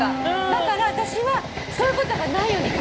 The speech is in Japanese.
だから私はそういうことがないように。